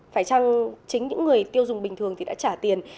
phải chăng chính những người tiêu dùng bình thường thì đã trả tiền